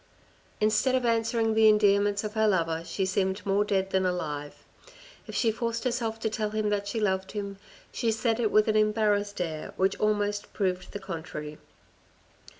Instead of answering the endearments of her lover, she seemed more dead than alive. If she forced herself to tell him that she loved him, she said it with an em barrassed air which almost proved the contrary.